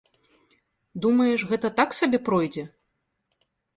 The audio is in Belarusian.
Думаеш, гэта так сабе пройдзе?